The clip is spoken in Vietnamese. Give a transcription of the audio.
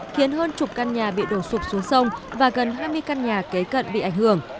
khiến hơn chục căn nhà bị đổ sụp xuống sông và gần hai mươi căn nhà kế cận bị ảnh hưởng